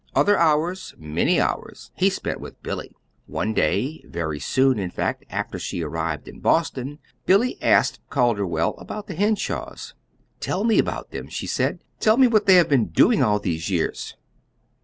Other hours many hours he spent with Billy. One day, very soon, in fact, after she arrived in Boston, Billy asked Calderwell about the Henshaws. "Tell me about them," she said. "Tell me what they have been doing all these years."